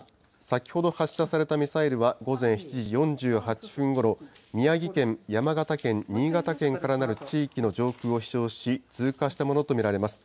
先ほど発射されたミサイルは午前７時４８分ごろ、宮城県、山形県、新潟県からなる地域の上空を飛しょうし、通過したものと見られます。